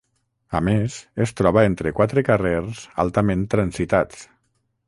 A més, es troba entre quatre carrers altament transitats.